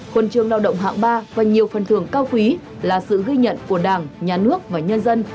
huân chương lao động hạng ba và nhiều phần thưởng cao quý là sự ghi nhận của đảng nhà nước và nhân dân